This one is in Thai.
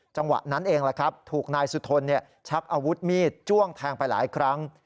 จังหวะนั้นเองแหละครับถูกนายสุทนชักอาวุธมีดจ้วงแทงไปหลายครั้ง